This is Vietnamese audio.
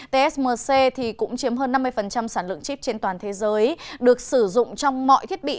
tsmc cũng chiếm hơn năm mươi sản lượng chip trên toàn thế giới được sử dụng trong mọi thiết bị